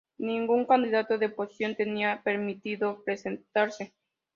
Ningún candidato de oposición tenía permitido presentarse.